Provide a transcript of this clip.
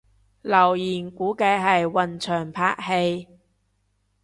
留言估計係雲翔拍戲